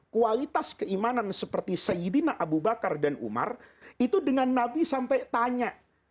kualitas keimanan seperti sayyidina abu bakar dan nabi ini